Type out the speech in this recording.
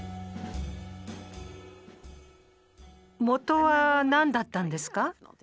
元は何だったんですか？